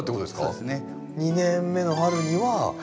そうですね。